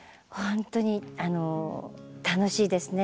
ほんとに楽しいですね。